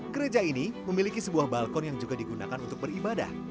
gereja ini memiliki sebuah balkon yang juga digunakan untuk beribadah